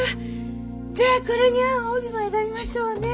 じゃあこれに合う帯も選びましょうね。